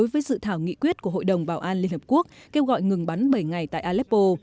với dự thảo nghị quyết của hội đồng bảo an liên hợp quốc kêu gọi ngừng bắn bảy ngày tại aleppo